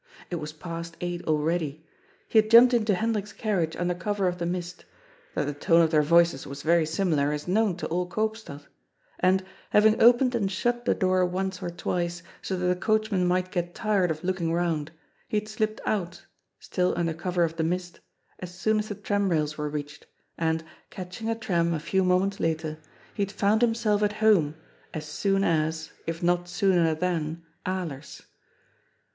It was past eight already. He had jumped into Hendrik's carriage under cover of the mist — that the tone of their voices was very similar is known to all Koopstad — and, having opened and shut the door once or twice so that the coachman might get tired of looking round, he had slipped out — still under cover of the mist — as soon as the tramrails were reached, and, catching a tram a few moments later, he had found himself at home as soon as, if not sooner than, Alers.